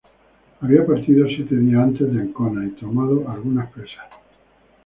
Había partido siete días antes de Ancona y tomado algunas presas.